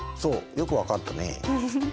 よく分かったね。